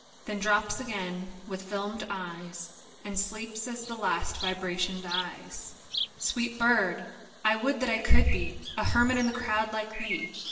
Then drops again with fdmed eyes, And sleeps as the last vibration dies. a (89) Sweet bird ! I would that I could be A hermit in the crowd like thee